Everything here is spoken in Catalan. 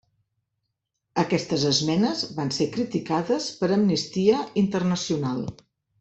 Aquestes esmenes van ser criticades per Amnistia Internacional.